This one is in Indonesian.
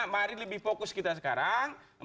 mari lebih fokus kita sekarang